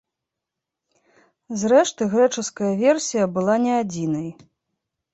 Зрэшты, грэчаская версія была не адзінай.